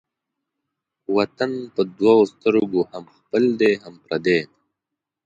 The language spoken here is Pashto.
وطن په دوو سترگو هم خپل دى هم پردى.